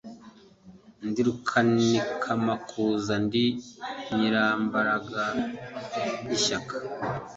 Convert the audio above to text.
Ndi Rukanikamakuza Ndi Nyirimbaraga y' ishyaka